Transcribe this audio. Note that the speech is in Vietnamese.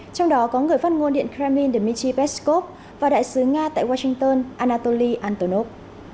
trong đó có người phát ngôn điện kremlin dmitry peskov và đại sứ nga tại washington anatoly antonov